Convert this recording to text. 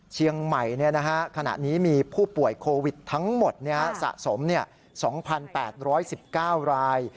เชียงใหม่ขณะนี้มีผู้ป่วยโควิดทั้งหมดสะสม๒๘๑๙ราย